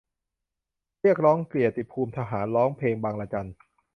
เรียกร้องเกียรติภูมิทหาร ร้องเพลงบางระจัน